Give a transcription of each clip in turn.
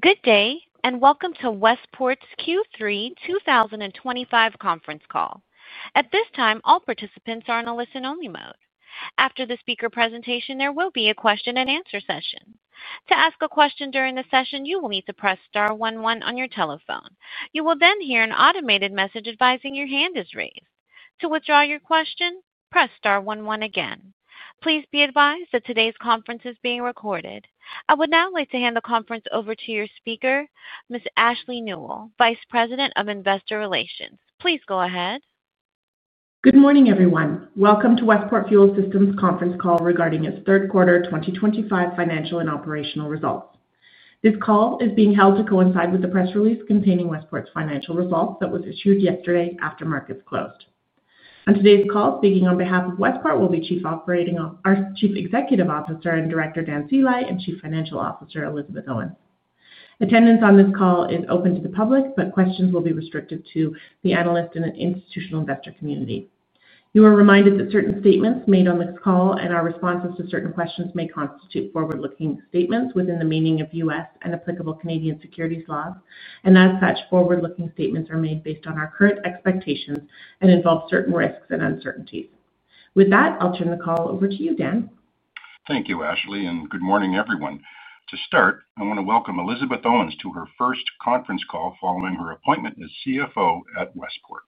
Good day, and welcome to Westport's Q3 2025 Conference Call. At this time, all participants are in a listen-only mode. After the speaker presentation, there will be a question-and-answer session. To ask a question during the session, you will need to press star 11 on your telephone. You will then hear an automated message advising your hand is raised. To withdraw your question, press star 11 again. Please be advised that today's conference is being recorded. I would now like to hand the conference over to your speaker, Ms. Ashley Nuell, Vice President of Investor Relations. Please go ahead. Good morning, everyone. Welcome to Westport Fuel Systems' conference call regarding its third quarter 2025 financial and operational results. This call is being held to coincide with the press release containing Westport's financial results that was issued yesterday after markets closed. On today's call, speaking on behalf of Westport, will be Chief Executive Officer and Director Dan Sceli and Chief Financial Officer Elizabeth Owens. Attendance on this call is open to the public, but questions will be restricted to the analyst and institutional investor community. You are reminded that certain statements made on this call and our responses to certain questions may constitute forward-looking statements within the meaning of U.S. and applicable Canadian securities laws, and as such, forward-looking statements are made based on our current expectations and involve certain risks and uncertainties. With that, I'll turn the call over to you, Dan. Thank you, Ashley, and good morning, everyone. To start, I want to welcome Elizabeth Owens to her first conference call following her appointment as CFO at Westport.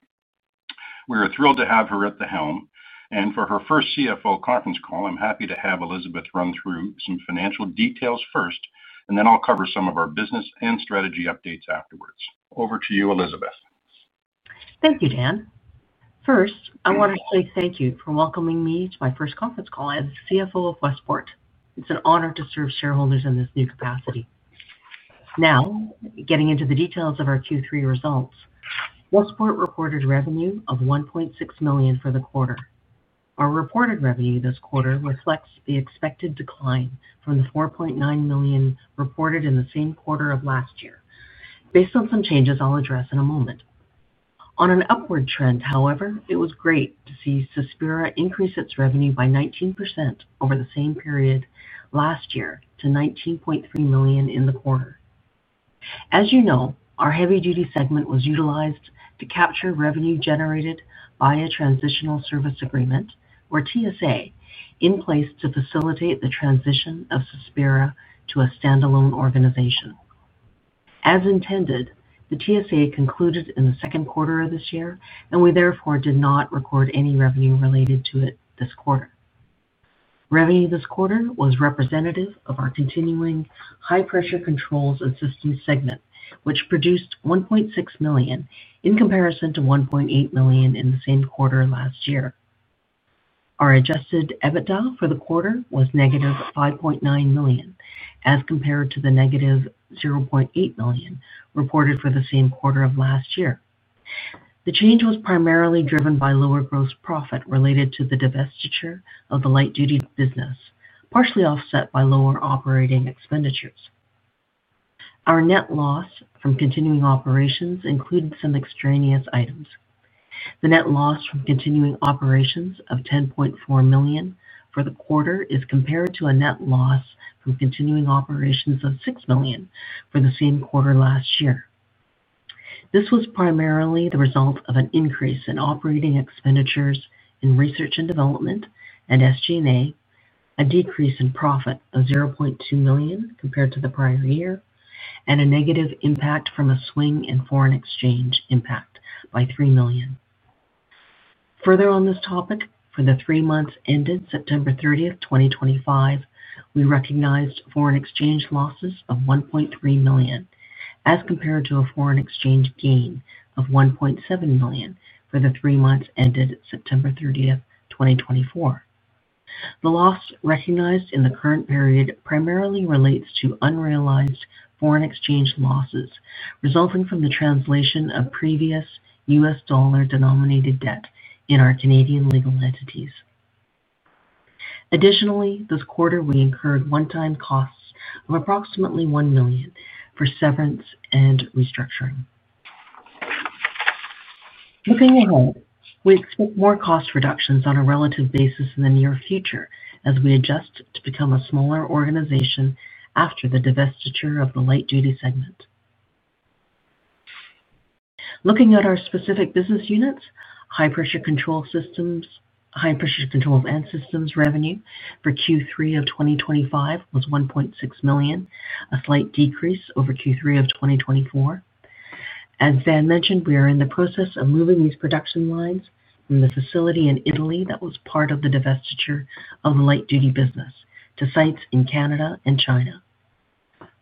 We are thrilled to have her at the helm, and for her first CFO conference call, I'm happy to have Elizabeth run through some financial details first, and then I'll cover some of our business and strategy updates afterwards. Over to you, Elizabeth. Thank you, Dan. First, I want to say thank you for welcoming me to my first conference call as CFO of Westport. It's an honor to serve shareholders in this new capacity. Now, getting into the details of our Q3 results, Westport reported revenue of $1.6 million for the quarter. Our reported revenue this quarter reflects the expected decline from the $4.9 million reported in the same quarter of last year, based on some changes I'll address in a moment. On an upward trend, however, it was great to see Sospira increase its revenue by 19% over the same period last year to $19.3 million in the quarter. As you know, our heavy-duty segment was utilized to capture revenue generated by a transitional service agreement, or TSA, in place to facilitate the transition of Sospira to a standalone organization. As intended, the TSA concluded in the second quarter of this year, and we therefore did not record any revenue related to it this quarter. Revenue this quarter was representative of our continuing high-pressure controls and systems segment, which produced $1.6 million in comparison to $1.8 million in the same quarter last year. Our adjusted EBITDA for the quarter was negative $5.9 million, as compared to the negative $0.8 million reported for the same quarter of last year. The change was primarily driven by lower gross profit related to the divestiture of the light-duty business, partially offset by lower operating expenditures. Our net loss from continuing operations included some extraneous items. The net loss from continuing operations of $10.4 million for the quarter is compared to a net loss from continuing operations of $6 million for the same quarter last year. This was primarily the result of an increase in operating expenditures in research and development and SG&A, a decrease in profit of $0.2 million compared to the prior year, and a negative impact from a swing in foreign exchange impact by $3 million. Further on this topic, for the three months ended September 30, 2025, we recognized foreign exchange losses of $1.3 million, as compared to a foreign exchange gain of $1.7 million for the three months ended September 30, 2024. The loss recognized in the current period primarily relates to unrealized foreign exchange losses resulting from the translation of previous U.S. dollar-denominated debt in our Canadian legal entities. Additionally, this quarter, we incurred one-time costs of approximately $1 million for severance and restructuring. Looking ahead, we expect more cost reductions on a relative basis in the near future as we adjust to become a smaller organization after the divestiture of the light-duty segment. Looking at our specific business units, high-pressure controls and systems revenue for Q3 of 2025 was $1.6 million, a slight decrease over Q3 of 2024. As Dan mentioned, we are in the process of moving these production lines from the facility in Italy that was part of the divestiture of the light-duty business to sites in Canada and China.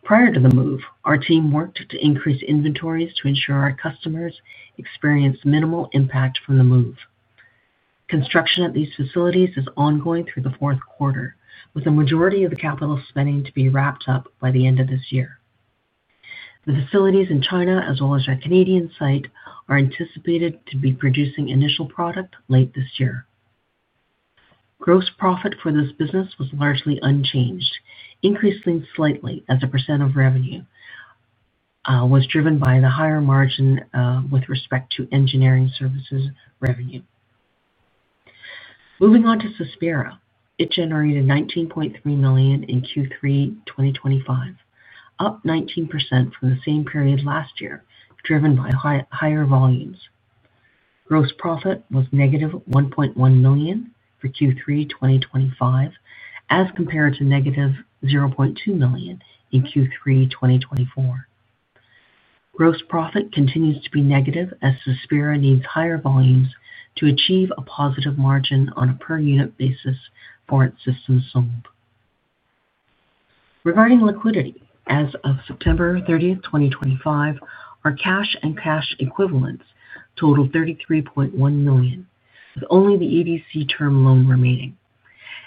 Prior to the move, our team worked to increase inventories to ensure our customers experienced minimal impact from the move. Construction at these facilities is ongoing through the fourth quarter, with a majority of the capital spending to be wrapped up by the end of this year. The facilities in China, as well as our Canadian site, are anticipated to be producing initial product late this year. Gross profit for this business was largely unchanged, increasing slightly as a percent of revenue was driven by the higher margin with respect to engineering services revenue. Moving on to Sospira, it generated $19.3 million in Q3 2025, up 19% from the same period last year, driven by higher volumes. Gross profit was negative $1.1 million for Q3 2025, as compared to negative $0.2 million in Q3 2024. Gross profit continues to be negative as Sospira needs higher volumes to achieve a positive margin on a per-unit basis for its systems sold. Regarding liquidity, as of September 30, 2025, our cash and cash equivalents total $33.1 million, with only the EDC term loan remaining,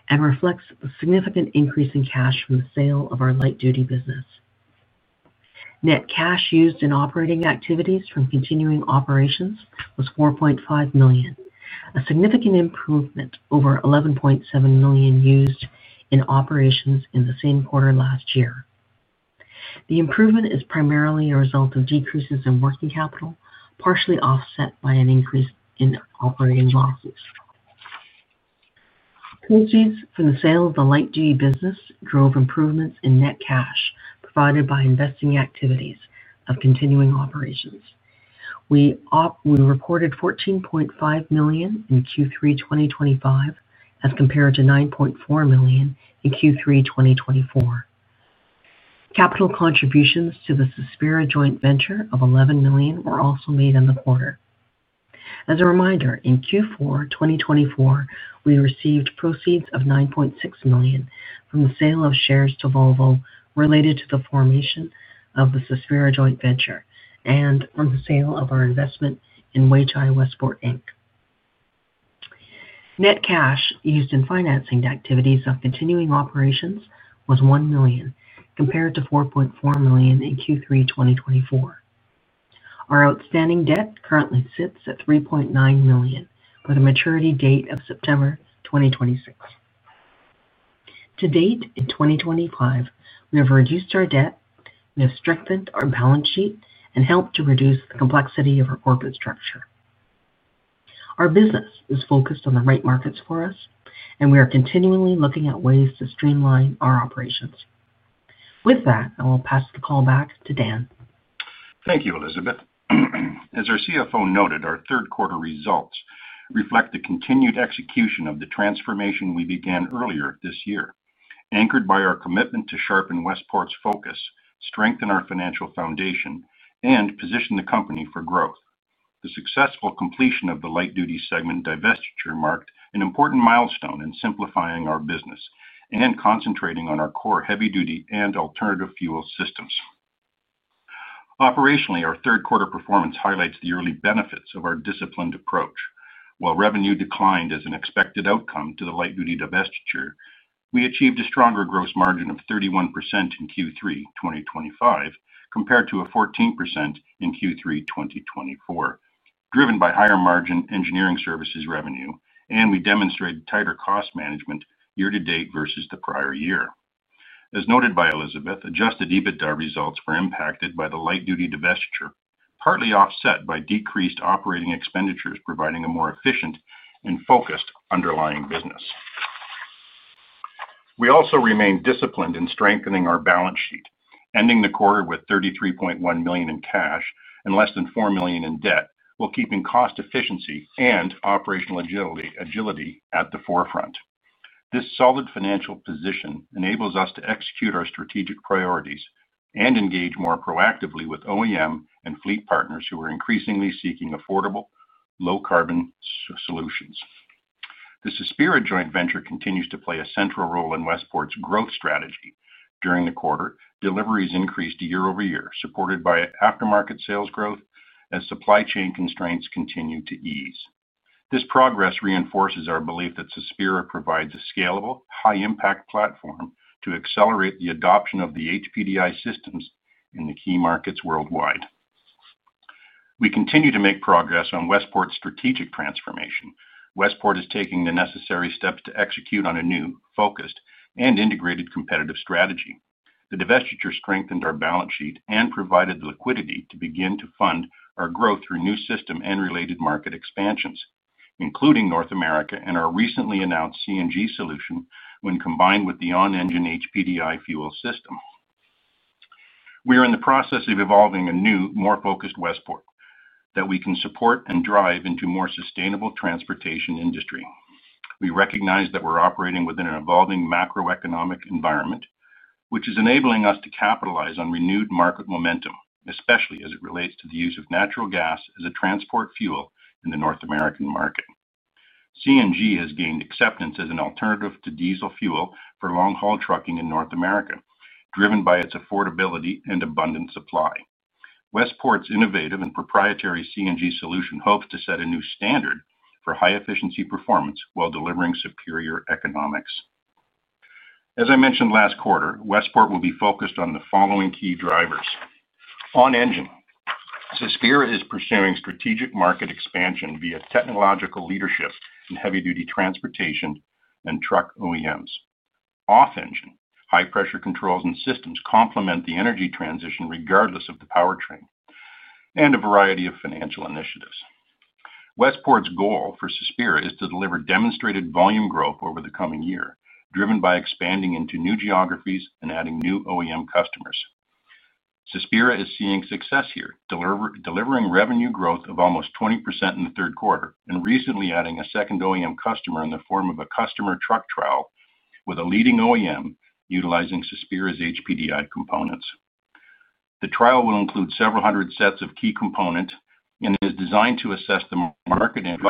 and reflects a significant increase in cash from the sale of our light-duty business. Net cash used in operating activities from continuing operations was $4.5 million, a significant improvement over $11.7 million used in operations in the same quarter last year. The improvement is primarily a result of decreases in working capital, partially offset by an increase in operating losses. Proceeds from the sale of the light-duty business drove improvements in net cash provided by investing activities of continuing operations. We reported $14.5 million in Q3 2025, as compared to $9.4 million in Q3 2024. Capital contributions to the Sospira joint venture of $11 million were also made in the quarter. As a reminder, in Q4 2024, we received proceeds of $9.6 million from the sale of shares to Volvo related to the formation of the Sospira joint venture and from the sale of our investment in WageEye Westport Inc. Net cash used in financing activities of continuing operations was $1 million, compared to $4.4 million in Q3 2024. Our outstanding debt currently sits at $3.9 million, with a maturity date of September 2026. To date in 2025, we have reduced our debt, we have strengthened our balance sheet, and helped to reduce the complexity of our corporate structure. Our business is focused on the right markets for us, and we are continually looking at ways to streamline our operations. With that, I will pass the call back to Dan. Thank you, Elizabeth. As our CFO noted, our third quarter results reflect the continued execution of the transformation we began earlier this year, anchored by our commitment to sharpen Westport's focus, strengthen our financial foundation, and position the company for growth. The successful completion of the light-duty segment divestiture marked an important milestone in simplifying our business and concentrating on our core heavy-duty and alternative fuel systems. Operationally, our third quarter performance highlights the early benefits of our disciplined approach. While revenue declined as an expected outcome to the light-duty divestiture, we achieved a stronger gross margin of 31% in Q3 2025, compared to 14% in Q3 2024, driven by higher margin engineering services revenue, and we demonstrated tighter cost management year-to-date versus the prior year. As noted by Elizabeth, adjusted EBITDA results were impacted by the light-duty divestiture, partly offset by decreased operating expenditures providing a more efficient and focused underlying business. We also remain disciplined in strengthening our balance sheet, ending the quarter with $33.1 million in cash and less than $4 million in debt, while keeping cost efficiency and operational agility at the forefront. This solid financial position enables us to execute our strategic priorities and engage more proactively with OEM and fleet partners who are increasingly seeking affordable, low-carbon solutions. The Sospira joint venture continues to play a central role in Westport's growth strategy. During the quarter, deliveries increased year-over-year, supported by aftermarket sales growth as supply chain constraints continue to ease. This progress reinforces our belief that Sospira provides a scalable, high-impact platform to accelerate the adoption of the HPDI systems in the key markets worldwide. We continue to make progress on Westport's strategic transformation. Westport is taking the necessary steps to execute on a new, focused, and integrated competitive strategy. The divestiture strengthened our balance sheet and provided liquidity to begin to fund our growth through new system and related market expansions, including North America and our recently announced CNG solution when combined with the on-engine HPDI fuel system. We are in the process of evolving a new, more focused Westport that we can support and drive into a more sustainable transportation industry. We recognize that we're operating within an evolving macroeconomic environment, which is enabling us to capitalize on renewed market momentum, especially as it relates to the use of natural gas as a transport fuel in the North American market. CNG has gained acceptance as an alternative to diesel fuel for long-haul trucking in North America, driven by its affordability and abundant supply. Westport's innovative and proprietary CNG solution hopes to set a new standard for high-efficiency performance while delivering superior economics. As I mentioned last quarter, Westport will be focused on the following key drivers: on-engine, Sospira is pursuing strategic market expansion via technological leadership in heavy-duty transportation and truck OEMs. Off-engine, high-pressure controls and systems complement the energy transition regardless of the powertrain, and a variety of financial initiatives. Westport's goal for Sospira is to deliver demonstrated volume growth over the coming year, driven by expanding into new geographies and adding new OEM customers. Sospira is seeing success here, delivering revenue growth of almost 20% in the third quarter and recently adding a second OEM customer in the form of a customer truck trial with a leading OEM utilizing Sospira's HPDI components. The trial will include several hundred sets of key components and is designed to assess the market and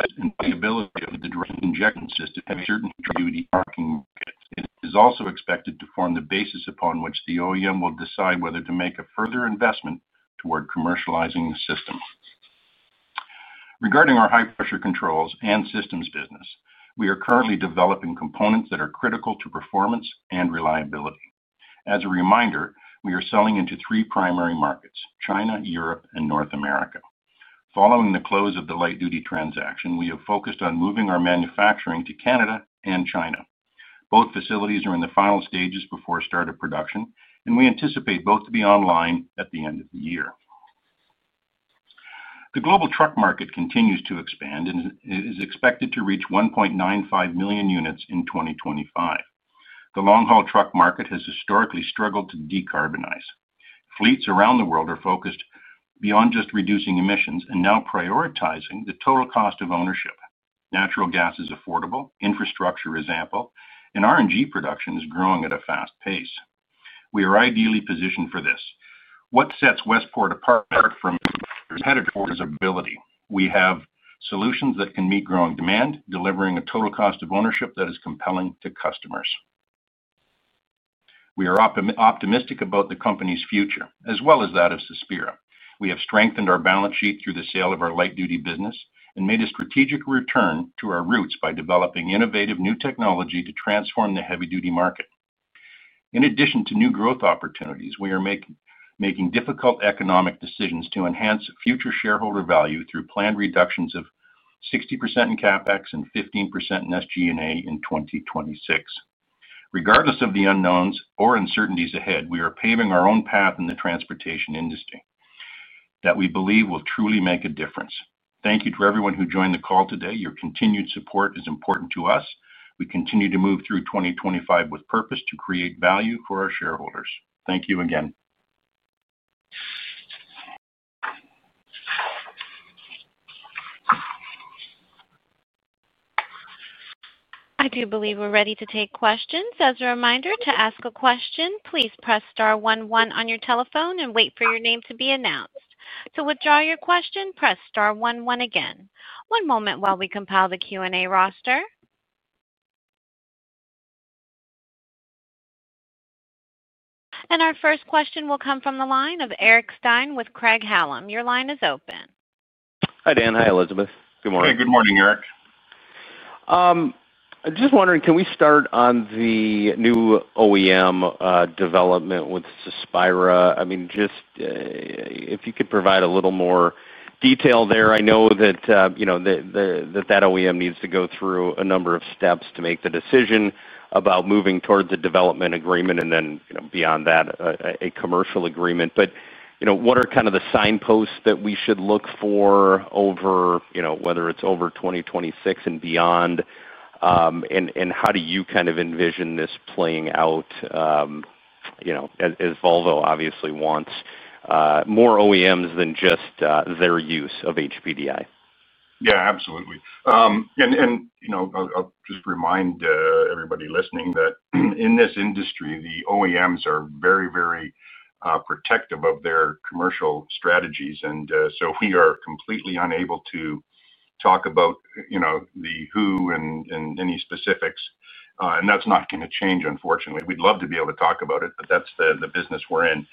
viability of the direct injection system at certain heavy-duty trucking markets. It is also expected to form the basis upon which the OEM will decide whether to make a further investment toward commercializing the system. Regarding our high-pressure controls and systems business, we are currently developing components that are critical to performance and reliability. As a reminder, we are selling into three primary markets: China, Europe, and North America. Following the close of the light-duty transaction, we have focused on moving our manufacturing to Canada and China. Both facilities are in the final stages before start of production, and we anticipate both to be online at the end of the year. The global truck market continues to expand and is expected to reach 1.95 million units in 2025. The long-haul truck market has historically struggled to decarbonize. Fleets around the world are focused beyond just reducing emissions and now prioritizing the total cost of ownership. Natural gas is affordable, infrastructure is ample, and R&G production is growing at a fast pace. We are ideally positioned for this. What sets Westport apart from competitors is our ability. We have solutions that can meet growing demand, delivering a total cost of ownership that is compelling to customers. We are optimistic about the company's future, as well as that of Sospira. We have strengthened our balance sheet through the sale of our light-duty business and made a strategic return to our roots by developing innovative new technology to transform the heavy-duty market. In addition to new growth opportunities, we are making difficult economic decisions to enhance future shareholder value through planned reductions of 60% in CapEx and 15% in SG&A in 2026. Regardless of the unknowns or uncertainties ahead, we are paving our own path in the transportation industry that we believe will truly make a difference. Thank you to everyone who joined the call today. Your continued support is important to us. We continue to move through 2025 with purpose to create value for our shareholders. Thank you again. I do believe we're ready to take questions. As a reminder, to ask a question, please press star 11 on your telephone and wait for your name to be announced. To withdraw your question, press star 11 again. One moment while we compile the Q&A roster. Our first question will come from the line of Eric Stine with Craig-Hallum. Your line is open. Hi, Dan. Hi, Elizabeth. Good morning. Hey, good morning, Eric. I'm just wondering, can we start on the new OEM development with Sospira? I mean, just if you could provide a little more detail there. I know that that OEM needs to go through a number of steps to make the decision about moving towards a development agreement and then beyond that, a commercial agreement. What are kind of the signposts that we should look for, whether it's over 2026 and beyond? How do you kind of envision this playing out as Volvo obviously wants more OEMs than just their use of HPDI? Yeah, absolutely. I'll just remind everybody listening that in this industry, the OEMs are very, very protective of their commercial strategies. We are completely unable to talk about the who and any specifics. That's not going to change, unfortunately. We'd love to be able to talk about it, but that's the business we're in.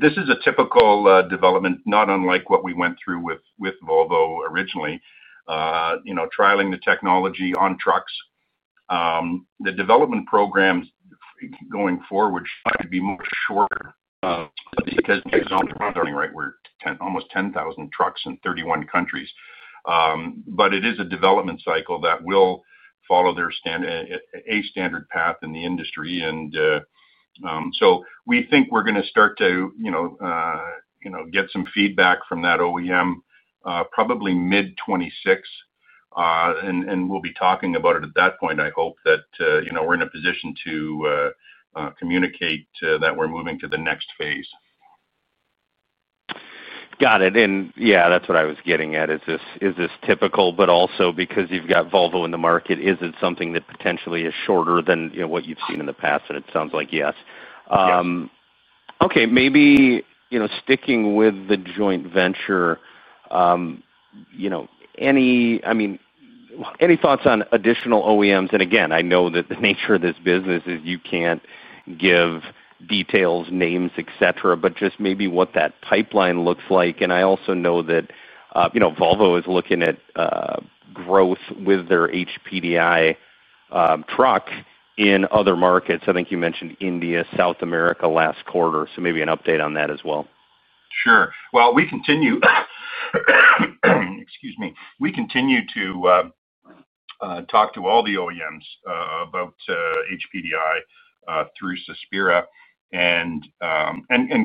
This is a typical development, not unlike what we went through with Volvo originally, trialing the technology on trucks. The development programs going forward should be much shorter because it's almost 10,000 trucks in 31 countries. It is a development cycle that will follow their standard path in the industry. We think we're going to start to get some feedback from that OEM probably mid-2026. We'll be talking about it at that point, I hope, that we're in a position to communicate that we're moving to the next phase. Got it. Yeah, that's what I was getting at. Is this typical? Also, because you've got Volvo in the market, is it something that potentially is shorter than what you've seen in the past? It sounds like yes. Okay. Maybe sticking with the joint venture, I mean, any thoughts on additional OEMs? Again, I know that the nature of this business is you can't give details, names, etc., but just maybe what that pipeline looks like. I also know that Volvo is looking at growth with their HPDI truck in other markets. I think you mentioned India, South America last quarter. Maybe an update on that as well. Sure. We continue—excuse me—we continue to talk to all the OEMs about HPDI through Sospira.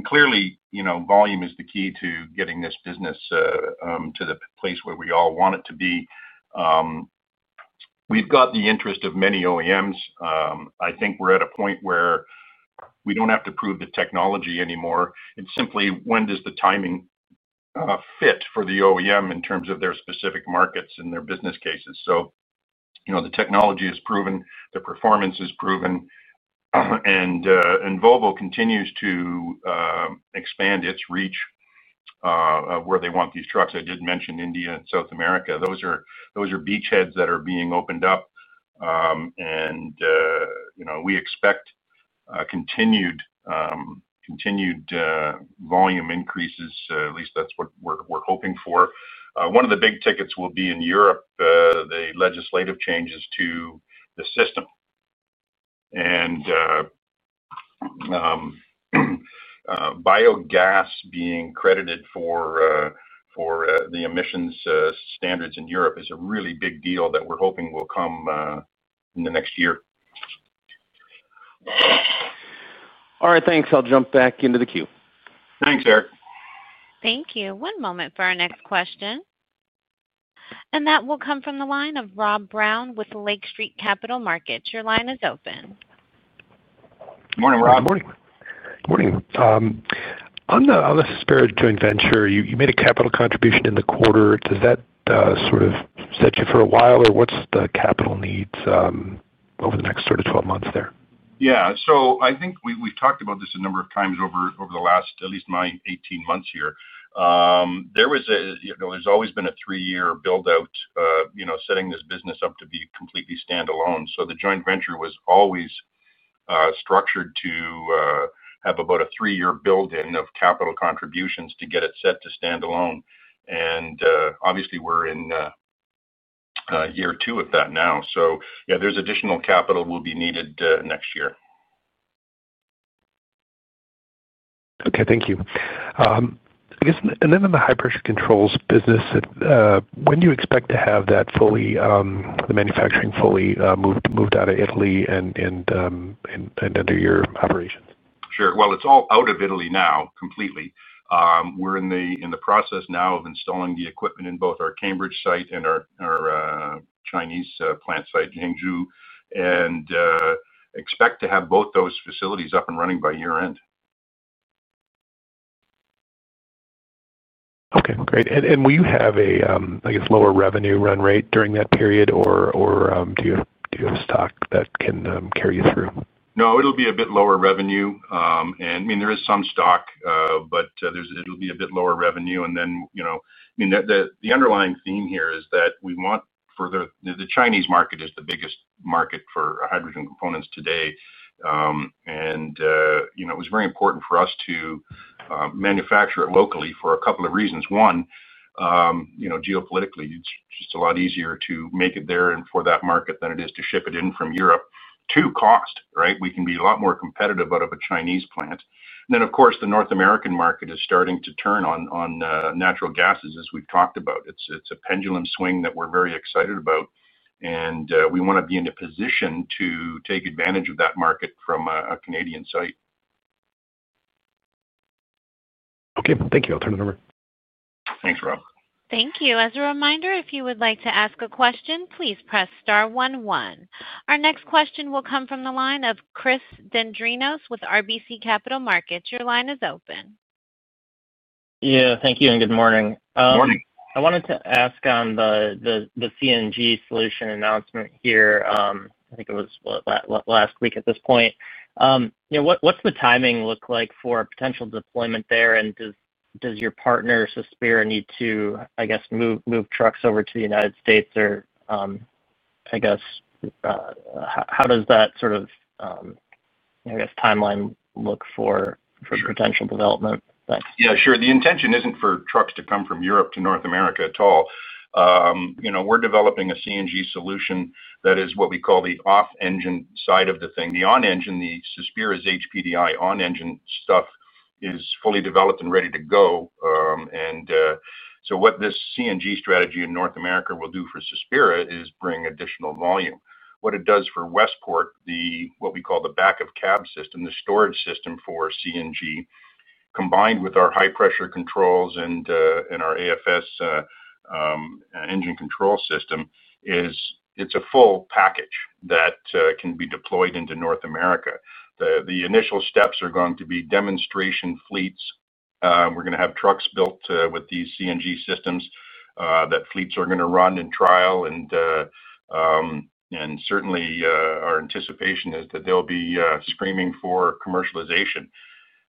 Clearly, volume is the key to getting this business to the place where we all want it to be. We've got the interest of many OEMs. I think we're at a point where we don't have to prove the technology anymore. It's simply, when does the timing fit for the OEM in terms of their specific markets and their business cases? The technology is proven, the performance is proven, and Volvo continues to expand its reach where they want these trucks. I did mention India and South America. Those are beachheads that are being opened up. We expect continued volume increases. At least that's what we're hoping for. One of the big tickets will be in Europe, the legislative changes to the system. Biogas being credited for the emissions standards in Europe is a really big deal that we're hoping will come in the next year. All right, thanks. I'll jump back into the queue. Thanks, Eric. Thank you. One moment for our next question. That will come from the line of Rob Brown with Lake Street Capital Markets. Your line is open. Good morning, Rob. Morning. Morning. On the Sospira joint venture, you made a capital contribution in the quarter. Does that sort of set you for a while, or what's the capital needs over the next sort of 12 months there? Yeah. I think we've talked about this a number of times over the last, at least my 18 months here. There's always been a three-year build-out, setting this business up to be completely standalone. The joint venture was always structured to have about a three-year build-in of capital contributions to get it set to standalone. Obviously, we're in year two of that now. Yeah, there's additional capital that will be needed next year. Okay, thank you. In the high-pressure controls business, when do you expect to have the manufacturing fully moved out of Italy and under your operations? Sure. It's all out of Italy now completely. We're in the process now of installing the equipment in both our Cambridge site and our Chinese plant site, Zhengzhou, and expect to have both those facilities up and running by year-end. Okay, great. Will you have a, I guess, lower revenue run rate during that period, or do you have stock that can carry you through? No, it'll be a bit lower revenue. I mean, there is some stock, but it'll be a bit lower revenue. I mean, the underlying theme here is that we want further—the Chinese market is the biggest market for hydrogen components today. It was very important for us to manufacture it locally for a couple of reasons. One, geopolitically, it's just a lot easier to make it there for that market than it is to ship it in from Europe. Two, cost, right? We can be a lot more competitive out of a Chinese plant. Of course, the North American market is starting to turn on natural gases, as we've talked about. It's a pendulum swing that we're very excited about. We want to be in a position to take advantage of that market from a Canadian site. Okay, thank you. I'll turn it over. Thanks, Rob. Thank you. As a reminder, if you would like to ask a question, please press star 11. Our next question will come from the line of Chris Dendrinos with RBC Capital Markets. Your line is open. Yeah, thank you and good morning. Morning. I wanted to ask on the CNG solution announcement here. I think it was last week at this point. What's the timing look like for potential deployment there? Does your partner, Sospira, need to, I guess, move trucks over to the United States? Or, I guess, how does that sort of, I guess, timeline look for potential development? Yeah, sure. The intention isn't for trucks to come from Europe to North America at all. We're developing a CNG solution that is what we call the off-engine side of the thing. The on-engine, the Sospira's HPDI on-engine stuff is fully developed and ready to go. What this CNG strategy in North America will do for Sospira is bring additional volume. What it does for Westport, what we call the back-of-cab system, the storage system for CNG, combined with our high-pressure controls and our AFS engine control system, it's a full package that can be deployed into North America. The initial steps are going to be demonstration fleets. We're going to have trucks built with these CNG systems that fleets are going to run and trial. Certainly, our anticipation is that they'll be screaming for commercialization.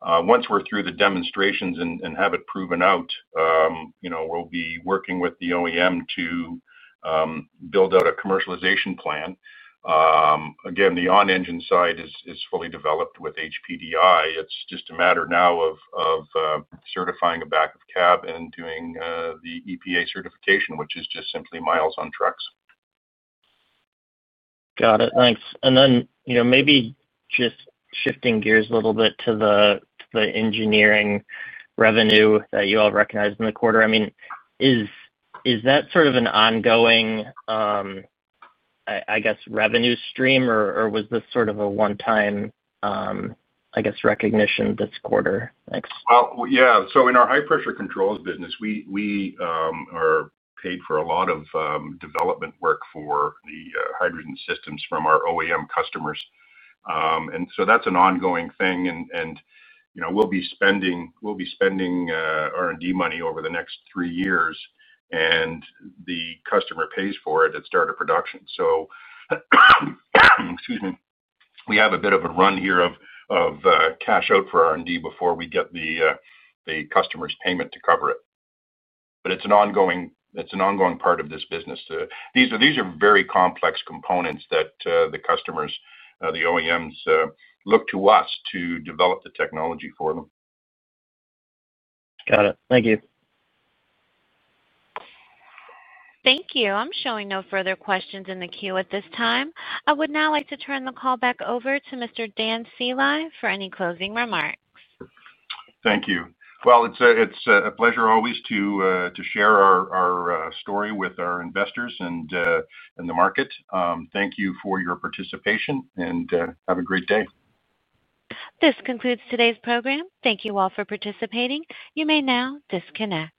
Once we're through the demonstrations and have it proven out, we'll be working with the OEM to build out a commercialization plan. Again, the on-engine side is fully developed with HPDI. It's just a matter now of certifying a back-of-cab and doing the EPA certification, which is just simply miles on trucks. Got it. Thanks. Maybe just shifting gears a little bit to the engineering revenue that you all recognized in the quarter. I mean, is that sort of an ongoing, I guess, revenue stream, or was this sort of a one-time, I guess, recognition this quarter? In our high-pressure controls business, we are paid for a lot of development work for the hydrogen systems from our OEM customers. That is an ongoing thing. We will be spending R&D money over the next three years. The customer pays for it at start of production. Excuse me. We have a bit of a run here of cash out for R&D before we get the customer's payment to cover it. It is an ongoing part of this business. These are very complex components that the customers, the OEMs, look to us to develop the technology for them. Got it. Thank you. Thank you. I'm showing no further questions in the queue at this time. I would now like to turn the call back over to Mr. Dan Sceli for any closing remarks. Thank you. It is a pleasure always to share our story with our investors and the market. Thank you for your participation, and have a great day. This concludes today's program. Thank you all for participating. You may now disconnect.